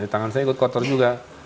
di tangan saya ikut kotor juga